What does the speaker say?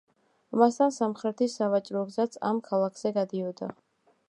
ამასთან სამხრეთის სავაჭრო გზაც ამ ქალაქზე გადიოდა.